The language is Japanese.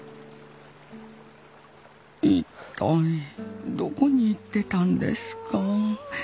一体どこに行ってたんですか？